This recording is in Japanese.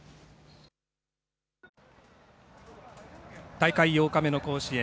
大会８日目の甲子園。